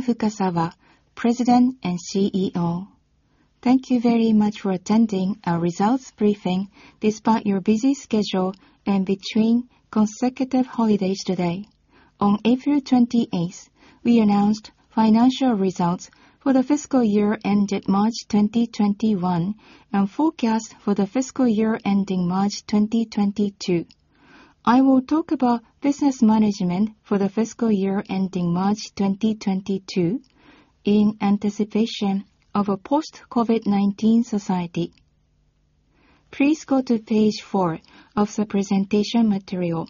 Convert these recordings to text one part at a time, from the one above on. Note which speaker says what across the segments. Speaker 1: I am Fukasawa, President and CEO. Thank you very much for attending our results briefing despite your busy schedule and between consecutive holidays today. On April 28th, we announced financial results for the fiscal year ended March 2021 and forecasts for the fiscal year ending March 2022. I will talk about business management for the fiscal year ending March 2022 in anticipation of a post-COVID-19 society. Please go to page four of the presentation material.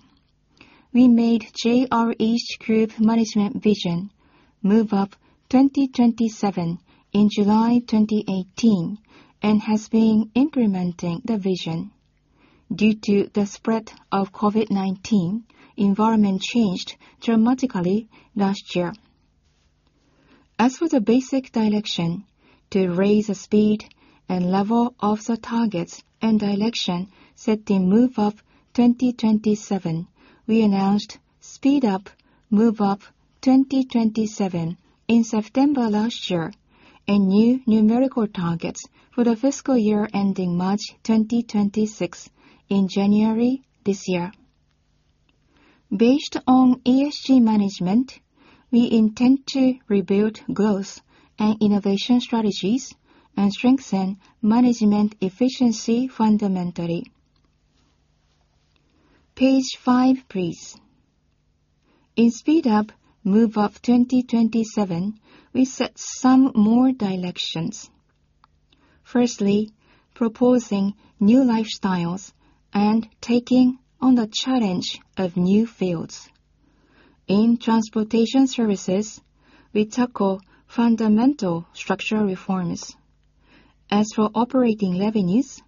Speaker 1: We made JR East Group Management Vision Move Up 2027 in July 2018 and have been implementing the vision. Due to the spread of COVID-19, environment changed dramatically last year. As for the basic direction, to raise the speed and level of the targets and direction set in Move Up 2027, we announced Speed up “Move up” 2027 in September last year and new numerical targets for the fiscal year ending March 2026 in January this year. Based on ESG management, we intend to rebuild growth and innovation strategies and strengthen management efficiency fundamentally. Page five, please. In Speed up “Move up” 2027, we set some more directions. Firstly, proposing new lifestyles and taking on the challenge of new fields. In transportation services, we tackle fundamental structural reforms. As for operating revenues,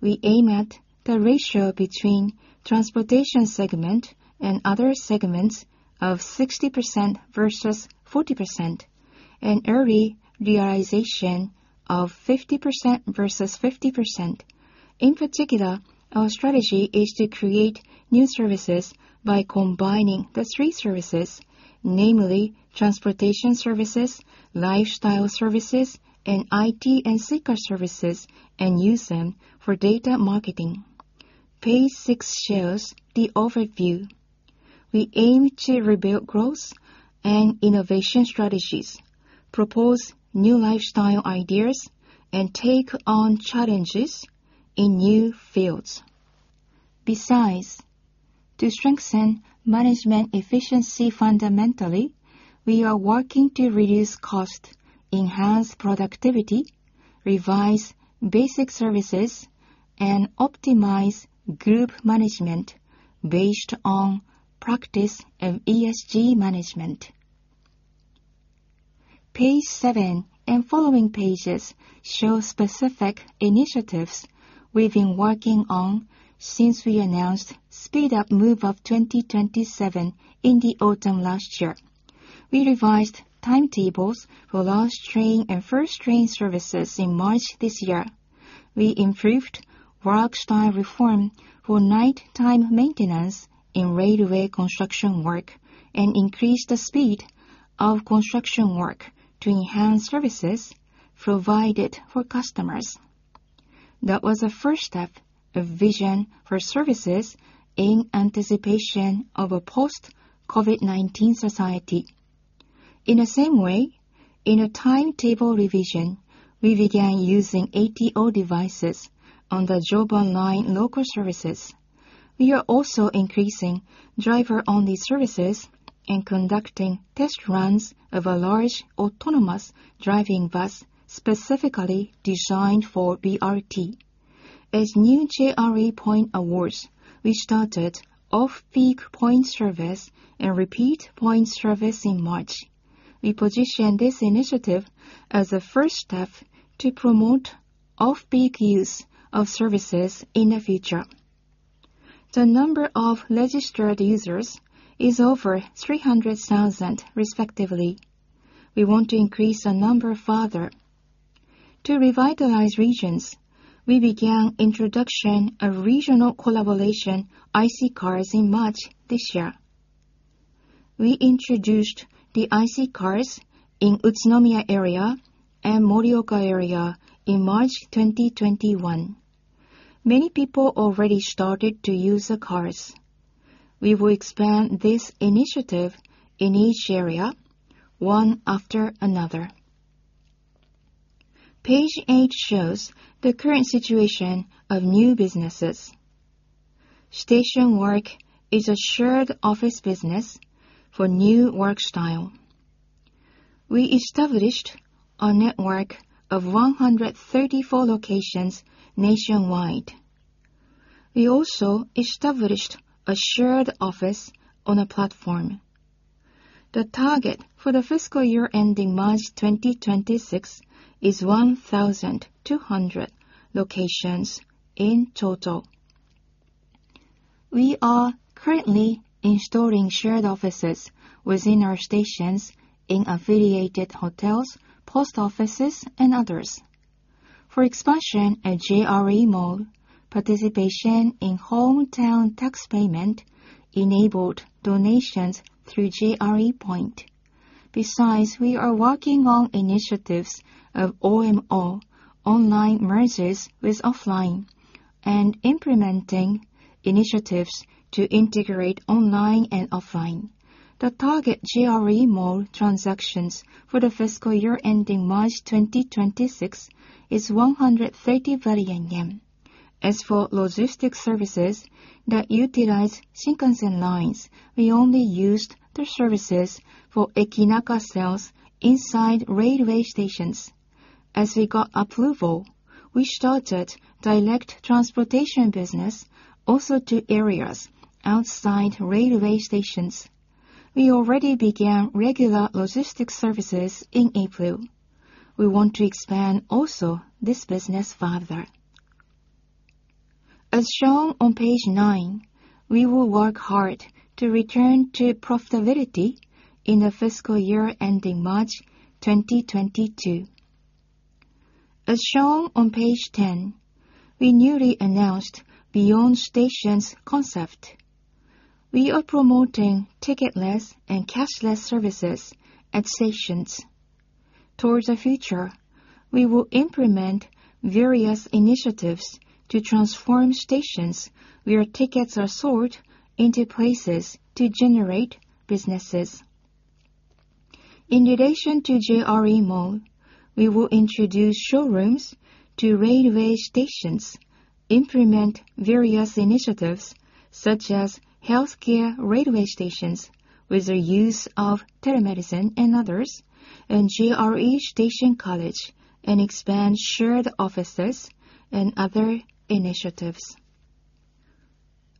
Speaker 1: we aim at the ratio between transportation segment and other segments of 60% versus 40% and early realization of 50% versus 50%. In particular, our strategy is to create new services by combining the three services, namely transportation services, lifestyle services, and IT and Suica services, and use them for data marketing. Page six shows the overview. We aim to rebuild growth and innovation strategies, propose new lifestyle ideas, and take on challenges in new fields. To strengthen management efficiency fundamentally, we are working to reduce cost, enhance productivity, revise basic services, and optimize group management based on practice of ESG management. Page seven and following pages show specific initiatives we've been working on since we announced Speed up “Move Up” 2027 in the autumn last year. We revised timetables for last train and first train services in March this year. We improved work style reform for nighttime maintenance in railway construction work and increased the speed of construction work to enhance services provided for customers. That was the first step of vision for services in anticipation of a post-COVID-19 society. In the same way, in a timetable revision, we began using ATO devices on the Joban Line local services. We are also increasing driver-only services and conducting test runs of a large autonomous driving bus specifically designed for BRT. As new JRE POINT awards, we started off-peak point service and repeat point service in March. We position this initiative as a first step to promote off-peak use of services in the future. The number of registered users is over 300,000 respectively. We want to increase the number further. To revitalize regions, we began introduction of regional collaboration IC cards in March this year. We introduced the IC cards in Utsunomiya area and Morioka area in March 2021. Many people already started to use the cards. We will expand this initiative in each area, one after another. Page eight shows the current situation of new businesses. STATION WORK is a shared office business for new work style. We established a network of 134 locations nationwide. We also established a shared office on a platform. The target for the fiscal year ending March 2026 is 1,200 locations in total. We are currently installing shared offices within our stations in affiliated hotels, post offices, and others. For expansion at JRE MALL, participation in hometown tax payment enabled donations through JRE POINT. Besides, we are working on initiatives of OMO, online merges with offline, and implementing initiatives to integrate online and offline. The target JRE MALL transactions for the fiscal year ending March 2026 is 130 billion yen. As for logistics services that utilize Shinkansen lines, we only used the services for Ekinaka sales inside railway stations. As we got approval, we started direct transportation business also to areas outside railway stations. We already began regular logistics services in April. We want to expand also this business further. As shown on page nine, we will work hard to return to profitability in the fiscal year ending March 2022. As shown on page 10, we newly announced Beyond Stations. We are promoting ticketless and cashless services at stations. Towards the future, we will implement various initiatives to transform stations where tickets are sold into places to generate businesses. In relation to JRE MALL, we will introduce showrooms to railway stations, implement various initiatives such as healthcare railway stations with the use of telemedicine and others, and JR East Station College, and expand shared offices and other initiatives.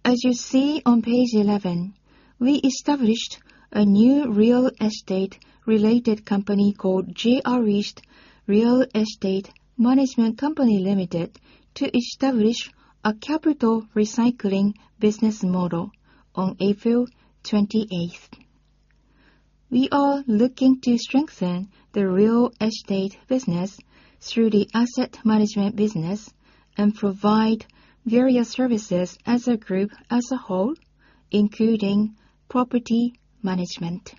Speaker 1: As you see on page 11, we established a new real estate-related company called JR East Real Estate Asset Management Co., Ltd. to establish a capital recycling business model on April 28th. We are looking to strengthen the real estate business through the asset management business and provide various services as a group as a whole, including property management.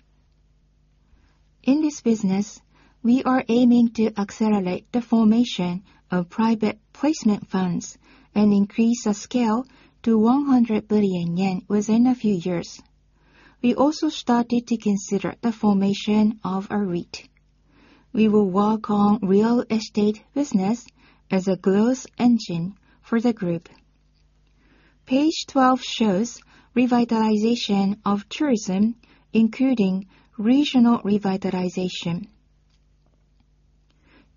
Speaker 1: In this business, we are aiming to accelerate the formation of private placement funds and increase the scale to 100 billion yen within a few years. We also started to consider the formation of a REIT. We will work on real estate business as a growth engine for the group. Page 12 shows revitalization of tourism, including regional revitalization.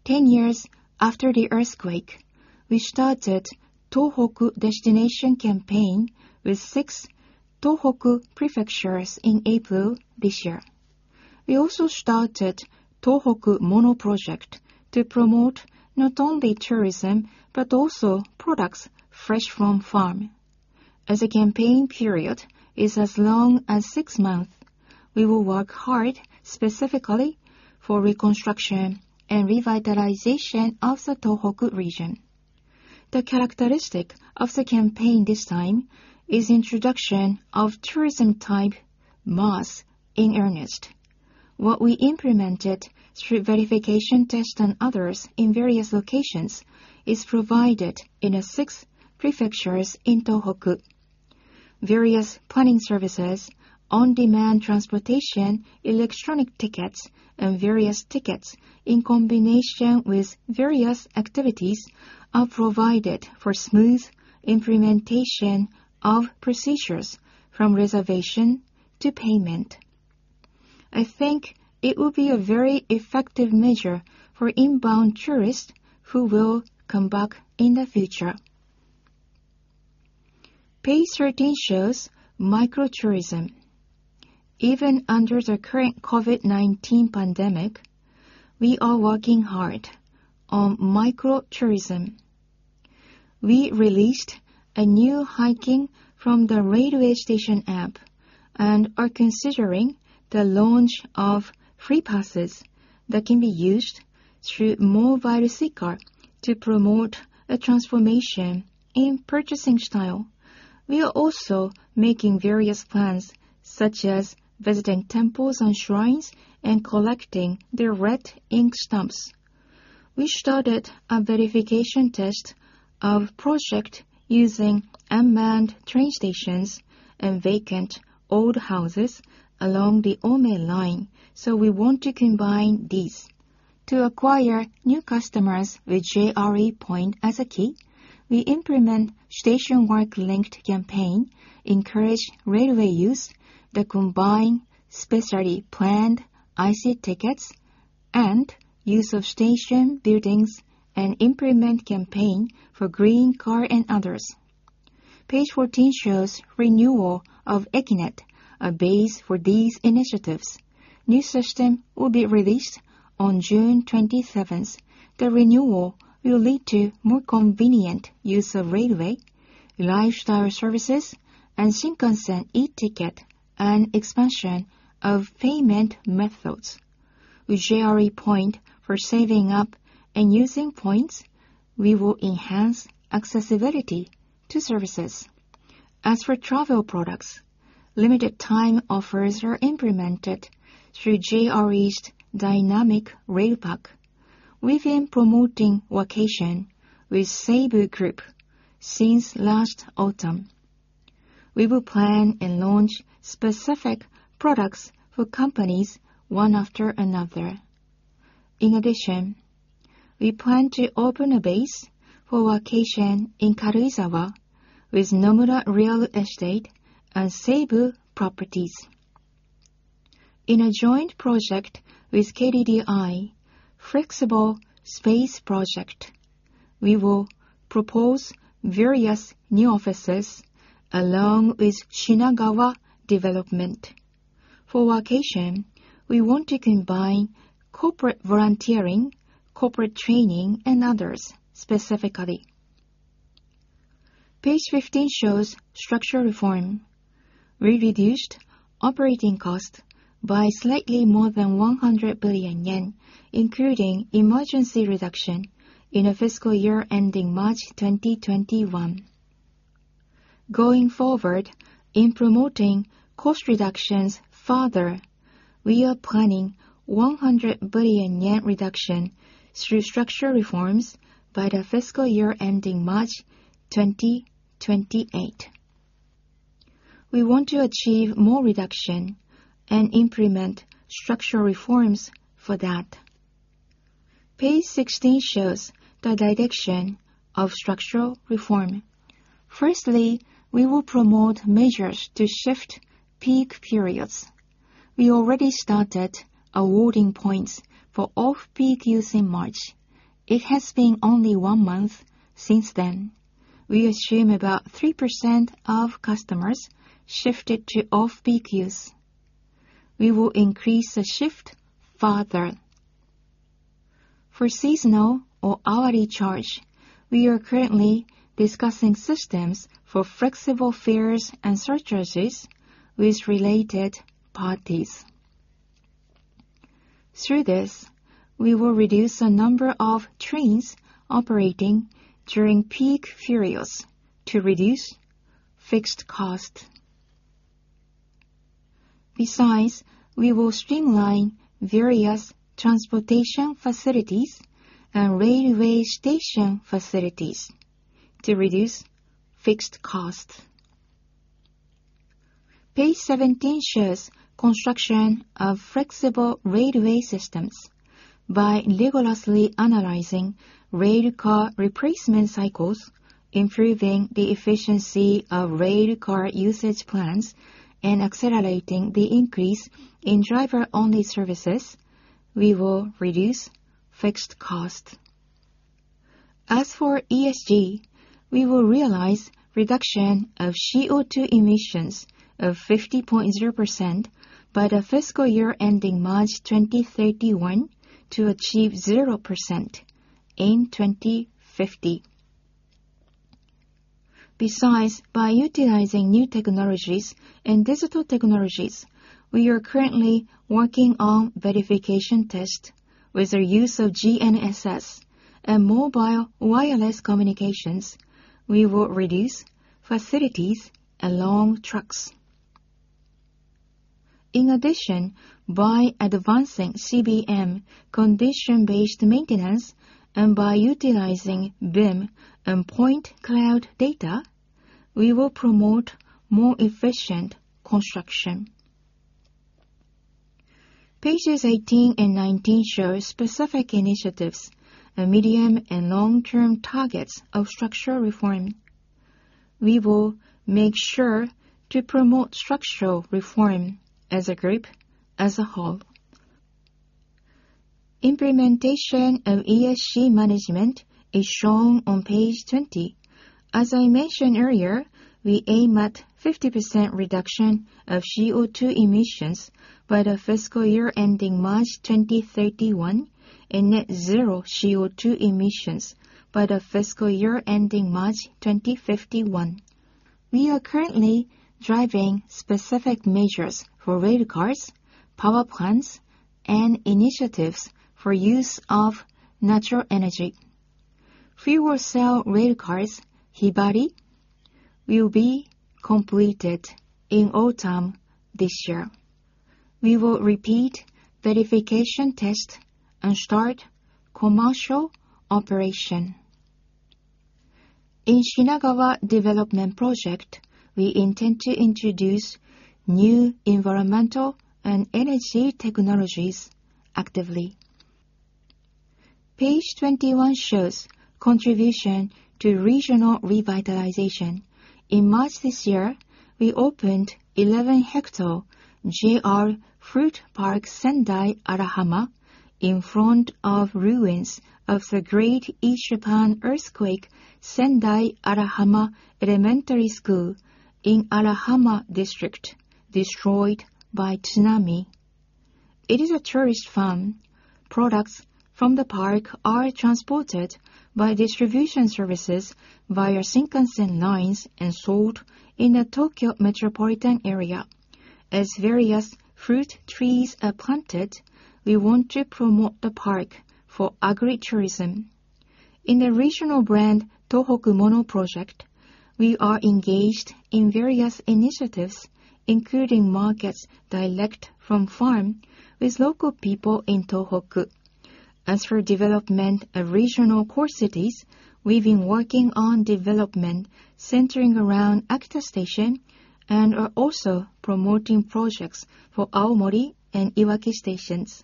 Speaker 1: 10 years after the Great East Japan Earthquake, we started Tohoku Destination Campaign with six Tohoku prefectures in April this year. We also started Tohoku MONO Project to promote not only tourism, but also products fresh from farm. The campaign period is as long as six months, we will work hard specifically for reconstruction and revitalization of the Tohoku region. The characteristic of the campaign this time is introduction of tourism type MaaS in earnest. What we implemented through verification test and others in various locations is provided in the six prefectures in Tohoku. Various planning services, on-demand transportation, electronic tickets, and various tickets in combination with various activities are provided for smooth implementation of procedures from reservation to payment. I think it will be a very effective measure for inbound tourists who will come back in the future. Page 13 shows micro tourism. Even under the current COVID-19 pandemic, we are working hard on micro tourism. We released a new hiking from the railway station app and are considering the launch of free passes that can be used through Mobile Suica to promote a transformation in purchasing style. We are also making various plans such as visiting temples and shrines and collecting their red ink stamps. We started a verification test of project using unmanned train stations and vacant old houses along the Ome Line, so we want to combine these. To acquire new customers with JRE POINT as a key, we implement STATION WORK linked campaign, encourage railway use that combine specially planned IC tickets, and use of station buildings, and implement campaign for Green Car and others. Page 14 shows renewal of Eki-Net, a base for these initiatives. New system will be released on June 27th. The renewal will lead to more convenient use of railway, lifestyle services, and Shinkansen e-ticket, and expansion of payment methods. With JRE POINT for saving up and using points, we will enhance accessibility to services. As for travel products, limited-time offers are implemented through JR East Dynamic Rail Pack. We've been promoting workation with Seibu Group since last autumn. We will plan and launch specific products for companies one after another. In addition, we plan to open a base for workation in Karuizawa with Nomura Real Estate and Seibu Properties. In a joint project with KDDI, Flexible Space Project, we will propose various new offices along with Shinagawa Development. For workation, we want to combine corporate volunteering, corporate training, and others specifically. Page 15 shows structural reform. We reduced operating costs by slightly more than 100 billion yen, including emergency reduction in the fiscal year ending March 2021. Going forward, in promoting cost reductions further, we are planning 100 billion yen reduction through structural reforms by the fiscal year ending March 2028. We want to achieve more reduction and implement structural reforms for that. Page 16 shows the direction of structural reform. Firstly, we will promote measures to shift peak periods. We already started awarding points for off-peak use in March. It has been only one month since then. We assume about 3% of customers shifted to off-peak use. We will increase the shift further. For seasonal or hourly charge, we are currently discussing systems for flexible fares and surcharges with related parties. Through this, we will reduce the number of trains operating during peak periods to reduce fixed costs. Besides, we will streamline various transportation facilities and railway station facilities to reduce fixed costs. Page 17 shows construction of flexible railway systems. By rigorously analyzing rail car replacement cycles, improving the efficiency of rail car usage plans, and accelerating the increase in driver-only services, we will reduce fixed costs. As for ESG, we will realize reduction of CO2 emissions of 50.0% by the fiscal year ending March 2031 to achieve 0% in 2050. By utilizing new technologies and digital technologies, we are currently working on verification test with the use of GNSS and mobile wireless communications. We will reduce facilities along tracks. By advancing CBM, condition-based maintenance, and by utilizing BIM and point cloud data, we will promote more efficient construction. Pages 18 and 19 show specific initiatives and medium and long-term targets of structural reform. We will make sure to promote structural reform as a group as a whole. Implementation of ESG management is shown on page 20. As I mentioned earlier, we aim at 50% reduction of CO2 emissions by the fiscal year ending March 2031 and net zero CO2 emissions by the fiscal year ending March 2051. We are currently driving specific measures for rail cars, power plants, and initiatives for use of natural energy. Fuel cell rail cars, HYBARI, will be completed in autumn this year. We will repeat verification test and start commercial operation. In Shinagawa Development Project, we intend to introduce new environmental and energy technologies actively. Page 21 shows contribution to regional revitalization. In March this year, we opened 11 hectare JR Fruit Park Sendai Arahama in front of ruins of the Great East Japan Earthquake Sendai Arahama Elementary School in Arahama District, destroyed by tsunami. It is a tourist farm. Products from the park are transported by distribution services via Shinkansen lines and sold in the Tokyo Metropolitan area. As various fruit trees are planted, we want to promote the park for agritourism. In the regional brand Tohoku MONO Project, we are engaged in various initiatives, including markets direct from farm with local people in Tohoku. As for development of regional core cities, we've been working on development centering around Akita Station and are also promoting projects for Aomori and Iwaki stations.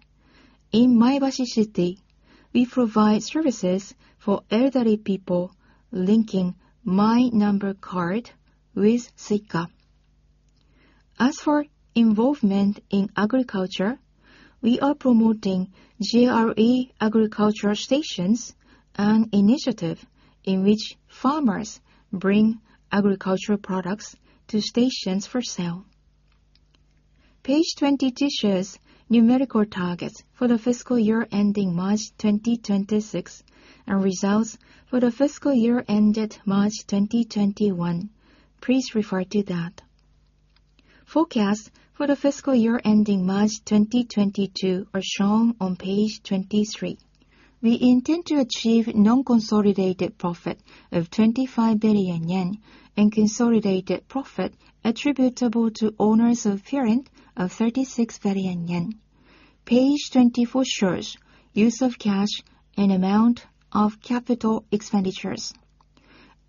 Speaker 1: In Maebashi City, we provide services for elderly people linking My Number Card with Suica. As for involvement in agriculture, we are promoting JRE Agricultural Stations, an initiative in which farmers bring agricultural products to stations for sale. Page 22 shows numerical targets for the fiscal year ending March 2026 and results for the fiscal year ended March 2021. Please refer to that. Forecasts for the fiscal year ending March 2022 are shown on page 23. We intend to achieve non-consolidated profit of 25 billion yen and consolidated profit attributable to owners of parent of 36 billion yen. Page 24 shows use of cash and amount of capital expenditures.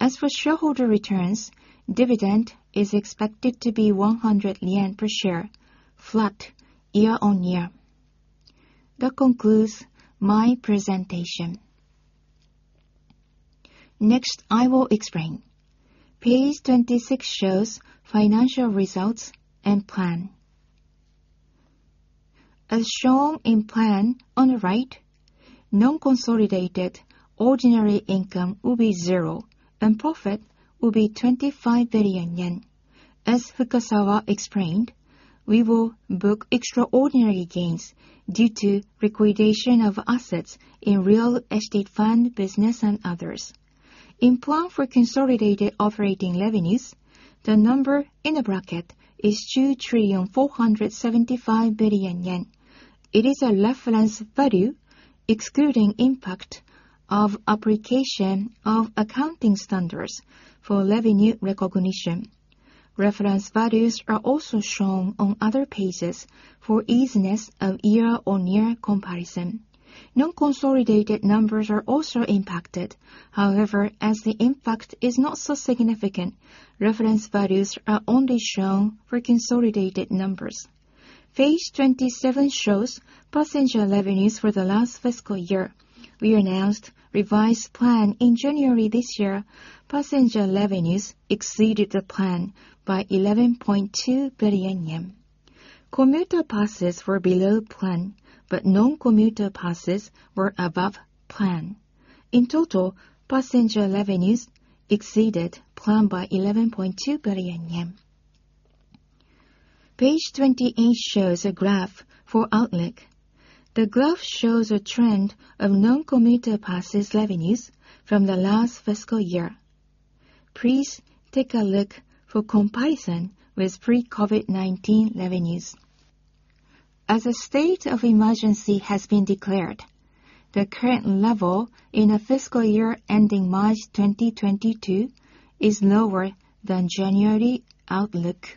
Speaker 1: As for shareholder returns, dividend is expected to be 100 yen per share, flat year-on-year. That concludes my presentation.
Speaker 2: Next, I will explain. Page 26 shows financial results and plan. As shown in plan on the right, non-consolidated ordinary income will be zero and profit will be 25 billion yen. As Fukasawa explained, we will book extraordinary gains due to liquidation of assets in real estate fund business and others. In plan for consolidated operating revenues, the number in the bracket is 2 trillion, 475 billion. It is a reference value excluding impact of application of accounting standards for revenue recognition. Reference values are also shown on other pages for easiness of year-over-year comparison. Non-consolidated numbers are also impacted. As the impact is not so significant, reference values are only shown for consolidated numbers. Page 27 shows passenger revenues for the last fiscal year. We announced revised plan in January this year. Passenger revenues exceeded the plan by 11.2 billion yen. Commuter passes were below plan, but non-commuter passes were above plan. In total, passenger revenues exceeded plan by 11.2 billion yen. Page 28 shows a graph for outlook. The graph shows a trend of non-commuter passes revenues from the last fiscal year. Please take a look for comparison with pre-COVID-19 revenues. As a state of emergency has been declared, the current level in the fiscal year ending March 2022 is lower than January outlook.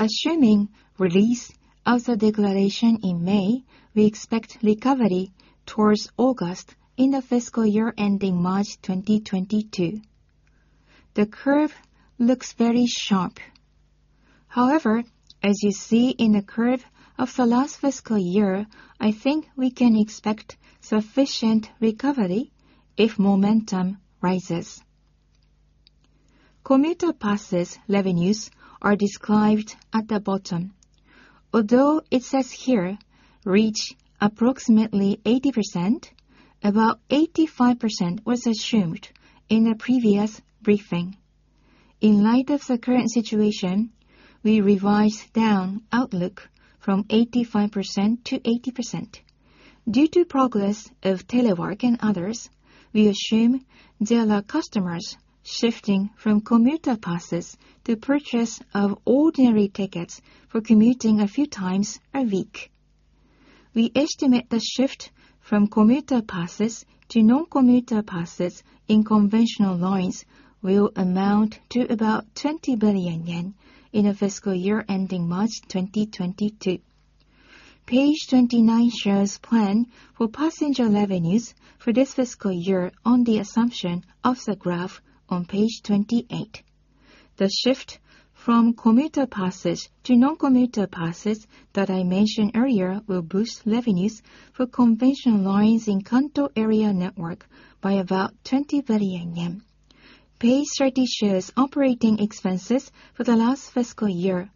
Speaker 2: Assuming release of the declaration in May, we expect recovery towards August in the fiscal year ending March 2022. The curve looks very sharp. As you see in the curve of the last fiscal year, I think we can expect sufficient recovery if momentum rises. Commuter passes revenues are described at the bottom. It says here, "Reach approximately 80%," about 85% was assumed in a previous briefing. In light of the current situation, we revised down outlook from 85% to 80%. Due to progress of telework and others, we assume there are customers shifting from commuter passes to purchase of ordinary tickets for commuting a few times a week. We estimate the shift from commuter passes to non-commuter passes in conventional lines will amount to about 20 billion yen in the fiscal year ending March 2022. Page 29 shows plan for passenger revenues for this fiscal year on the assumption of the graph on page 28. The shift from commuter passes to non-commuter passes that I mentioned earlier will boost revenues for conventional lines in Kanto area network by about 20 billion yen. Page 30 shows operating expenses for the last fiscal year.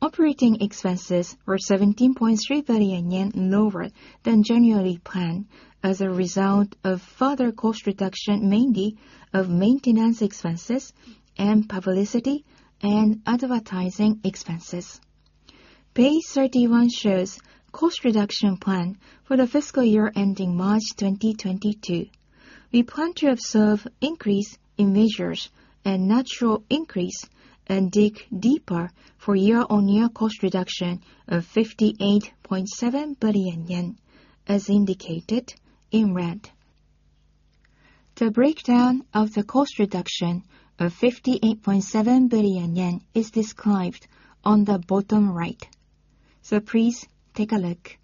Speaker 2: Operating expenses were 17.3 billion yen lower than January plan as a result of further cost reduction, mainly of maintenance expenses and publicity and advertising expenses. Page 31 shows cost reduction plan for the fiscal year ending March 2022. We plan to observe increase in measures and natural increase and dig deeper for year-on-year cost reduction of 58.7 billion yen, as indicated in red. The breakdown of the cost reduction of 58.7 billion yen is described on the bottom right. Please take a look.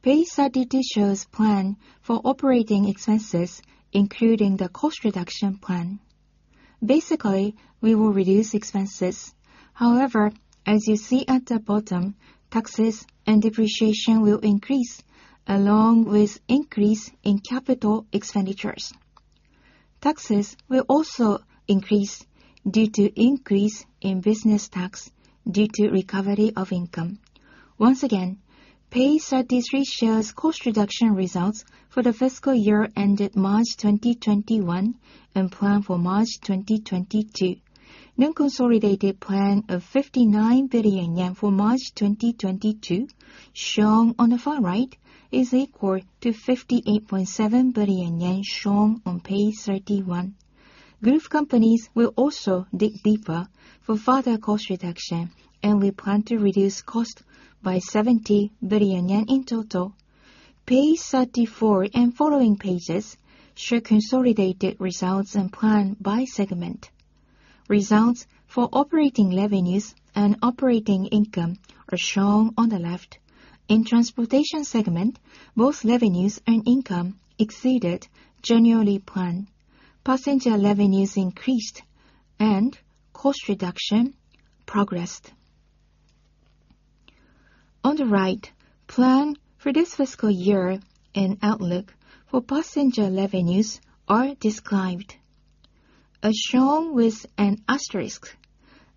Speaker 2: Page 32 shows plan for operating expenses, including the cost reduction plan. Basically, we will reduce expenses. However, as you see at the bottom, taxes and depreciation will increase along with increase in capital expenditures. Taxes will also increase due to increase in business tax due to recovery of income. Once again, page 33 shows cost reduction results for the fiscal year ended March 2021 and plan for March 2022. Non-consolidated plan of 59 billion yen for March 2022 shown on the far right is equal to 58.7 billion yen shown on page 31. Group companies will also dig deeper for further cost reduction, and we plan to reduce cost by 70 billion yen in total. Page 34 and following pages show consolidated results and plan by segment. Results for operating revenues and operating income are shown on the left. In Transportation segment, both revenues and income exceeded January plan. Passenger revenues increased and cost reduction progressed. On the right, plan for this fiscal year and outlook for passenger revenues are described. As shown with an asterisk,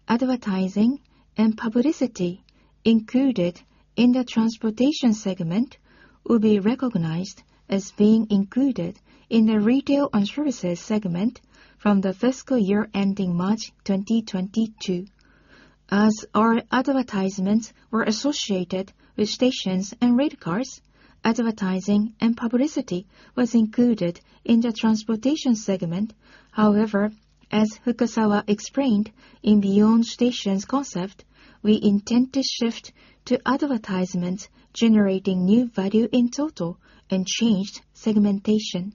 Speaker 2: advertising and publicity included in the Transportation Segment will be recognized as being included in the Retail and Services Segment from the fiscal year ending March 2022. As our advertisements were associated with stations and rail cars, advertising and publicity was included in the Transportation Segment. However, as Fukasawa explained in Beyond Stations concept, we intend to shift to advertisements generating new value in total and changed segmentation.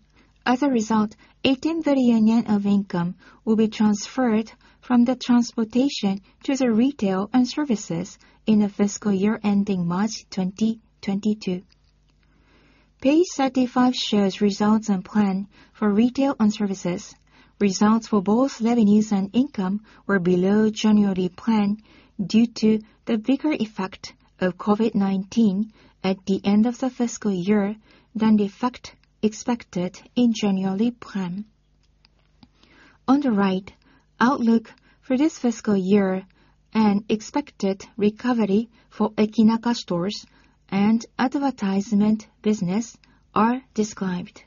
Speaker 2: As a result, 18 billion yen of income will be transferred from the Transportation to the Retail and Services in the fiscal year ending March 2022. Page 35 shows results and plan for Retail and Services. Results for both revenues and income were below January plan due to the bigger effect of COVID-19 at the end of the fiscal year than the effect expected in January plan. On the right, outlook for this fiscal year and expected recovery for Ekinaka stores and advertisement business are described.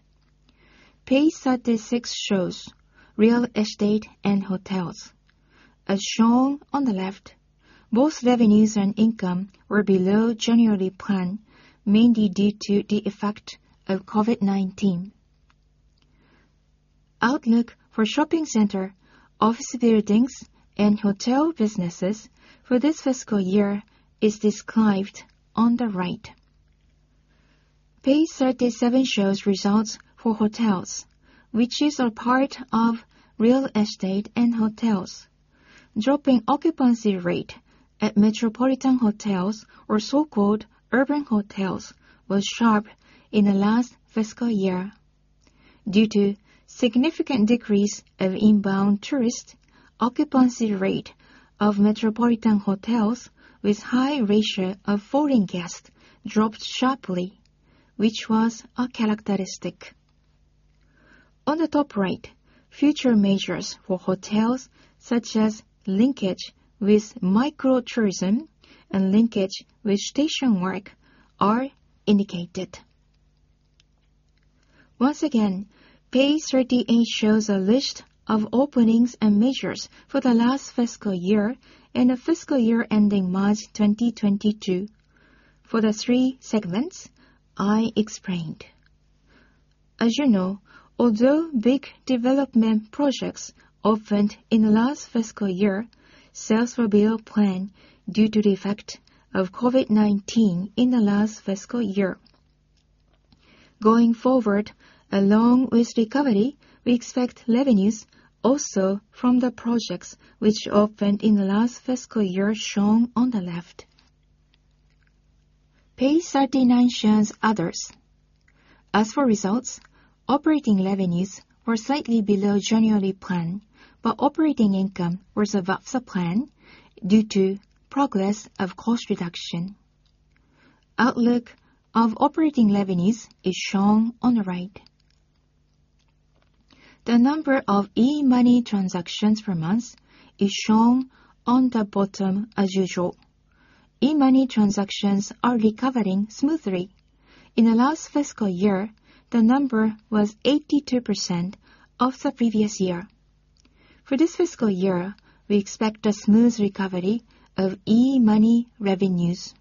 Speaker 2: Page 36 shows Real Estate and Hotels. As shown on the left, both revenues and income were below January plan mainly due to the effect of COVID-19. Outlook for shopping center, office buildings, and hotel businesses for this fiscal year is described on the right. Page 37 shows results for hotels, which is a part of Real Estate and Hotels. Dropping occupancy rate at metropolitan hotels or so-called urban hotels was sharp in the last fiscal year. Due to significant decrease of inbound tourists, occupancy rate of metropolitan hotels with high ratio of foreign guests dropped sharply, which was a characteristic. On the top right, future measures for hotels such as linkage with micro tourism and linkage with STATION WORK are indicated. Once again, page 38 shows a list of openings and measures for the last fiscal year and the fiscal year ending March 2022 for the three segments I explained. As you know, although big development projects opened in the last fiscal year, sales were below plan due to the effect of COVID-19 in the last fiscal year. Going forward, along with recovery, we expect revenues also from the projects which opened in the last fiscal year shown on the left. Page 39 shows others. As for results, operating revenues were slightly below January plan, but operating income was above the plan due to progress of cost reduction. Outlook of operating revenues is shown on the right. The number of e-money transactions per month is shown on the bottom as usual. E-money transactions are recovering smoothly. In the last fiscal year, the number was 82% of the previous year. For this fiscal year, we expect a smooth recovery of e-money revenues.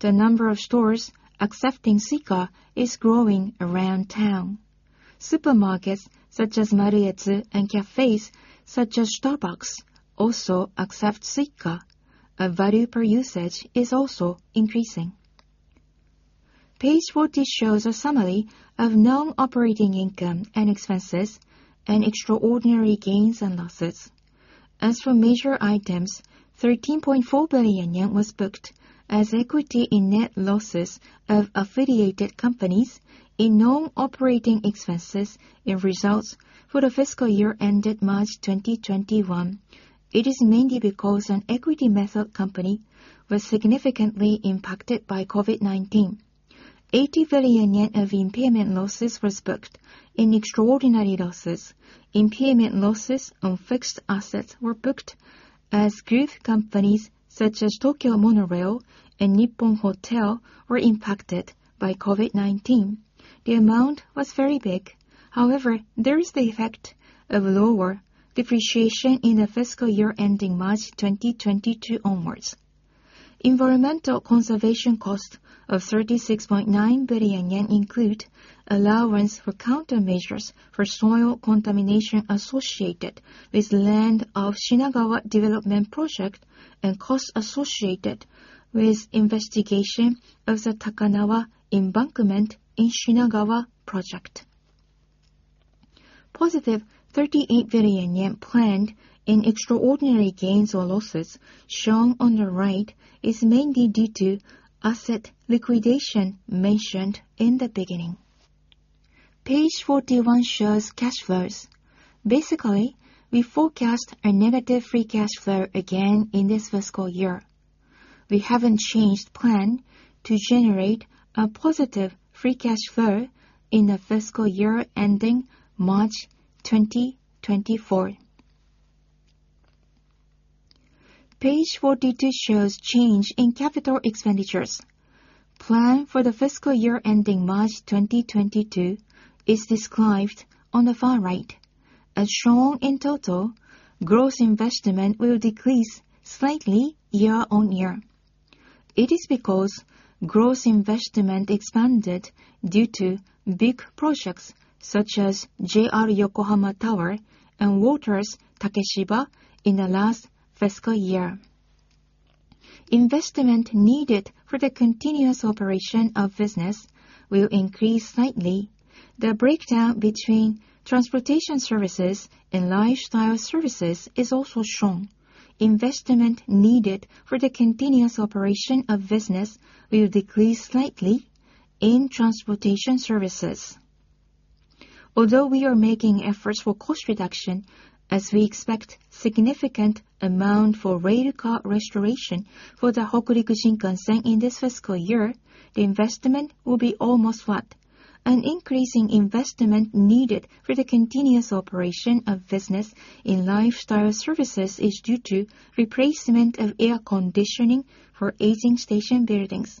Speaker 2: The number of stores accepting Suica is growing around town. Supermarkets such as Maruetsu and cafes such as Starbucks also accept Suica. Our value per usage is also increasing. Page 40 shows a summary of non-operating income and expenses and extraordinary gains and losses. As for major items, 13.4 billion yen was booked as equity in net losses of affiliated companies in non-operating expenses in results for the fiscal year ended March 2021. It is mainly because an equity method company was significantly impacted by COVID-19. 80 billion yen of impairment losses was booked in extraordinary losses. Impairment losses on fixed assets were booked as group companies such as Tokyo Monorail and Nippon Hotel Co., Ltd. were impacted by COVID-19. The amount was very big. However, there is the effect of lower depreciation in the fiscal year ending March 2022 onwards. Environmental conservation cost of 36.9 billion yen include allowance for countermeasures for soil contamination associated with land of Shinagawa Development Project and costs associated with investigation of the Takanawa Embankment in Shinagawa Project. Positive 38 billion planned in extraordinary gains or losses shown on the right is mainly due to asset liquidation mentioned in the beginning. Page 41 shows cash flows. Basically, we forecast a negative free cash flow again in this fiscal year. We haven't changed plan to generate a positive free cash flow in the fiscal year ending March 2024. Page 42 shows change in capital expenditures. Plan for the fiscal year ending March 2022 is described on the far right. As shown in total, gross investment will decrease slightly year on year. It is because gross investment expanded due to big projects such as JR Yokohama Tower and WATERS takeshiba in the last fiscal year. Investment needed for the continuous operation of business will increase slightly. The breakdown between transportation services and lifestyle services is also shown. Investment needed for the continuous operation of business will decrease slightly in transportation services. Although we are making efforts for cost reduction, as we expect significant amount for railcar restoration for the Hokuriku Shinkansen in this fiscal year, the investment will be almost flat. An increase in investment needed for the continuous operation of business in lifestyle services is due to replacement of air conditioning for aging station buildings.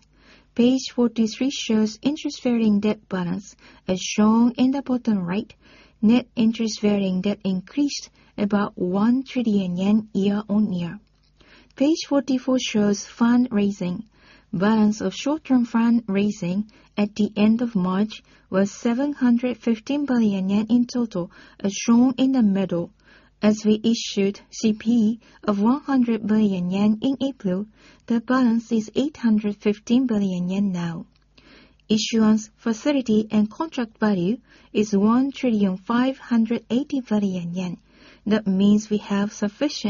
Speaker 2: Page 43 shows interest-bearing debt balance. As shown in the bottom right, net interest-bearing debt increased about 1 trillion yen year-over-year. Page 44 shows fundraising. Balance of short-term fundraising at the end of March was 715 billion yen in total, as shown in the middle. As we issued CP of 100 billion yen in April, the balance is 815 billion yen now. Issuance facility and contract value is 1,580 billion yen. That means we have sufficient-